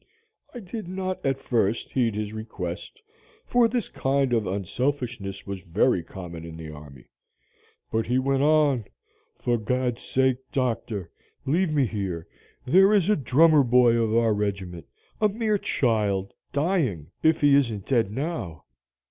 I did not at first heed his request, for this kind of unselfishness was very common in the army; but he went on, 'For God's sake, Doctor, leave me here; there is a drummer boy of our regiment a mere child dying, if he isn't dead now.